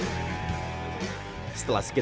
jadi kita juga harus pelan pelan